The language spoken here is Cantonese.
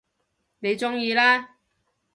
你鍾意啦